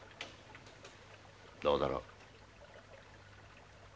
どうだろう？